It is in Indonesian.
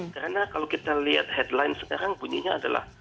karena kalau kita lihat headline sekarang bunyinya adalah